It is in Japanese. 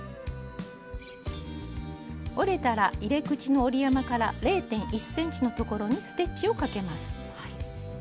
折れたら入れ口の折り山から０．１ｃｍのところにステッチをかけます。